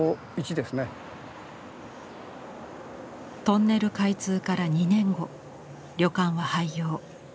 トンネル開通から２年後旅館は廃業。